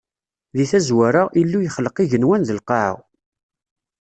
Di tazwara, Illu yexleq igenwan d lqaɛa.